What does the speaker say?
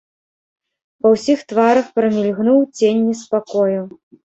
Па ўсіх тварах прамільгнуў цень неспакою.